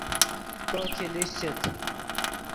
تو چے لیشچیت